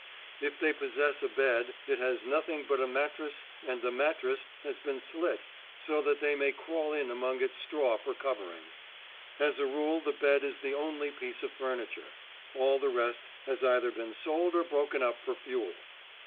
If they possess a bed, it has nothing but a mattress and the mattress has been slit so that they may crawl in among its straw for covering. As a rule the bed is the only piece of furniture; all the rest has either been sold or broken up for fuel.